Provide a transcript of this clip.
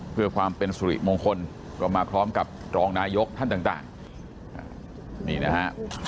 เพื่อความเป็นสุริมงคลก็มาพร้อมกับรองนายกท่านต่างนี่นะฮะ